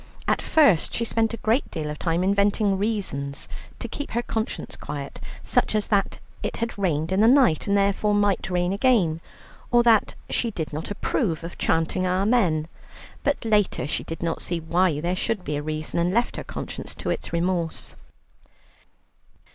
At first she spent a great deal of time inventing reasons to keep her conscience quiet, such as that it had rained in the night and therefore might rain again, or that she did not approve of chanting Amen, but later she did not see why there should be a reason, and left her conscious to its remorse.